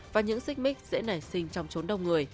và những xích mích dễ nảy sinh trong trốn đông người